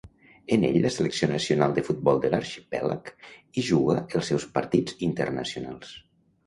En ell la selecció nacional de futbol de l'arxipèlag hi juga els seus partits internacionals.